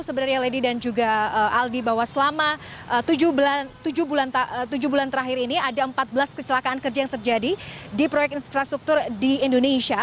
sebenarnya lady dan juga aldi bahwa selama tujuh bulan terakhir ini ada empat belas kecelakaan kerja yang terjadi di proyek infrastruktur di indonesia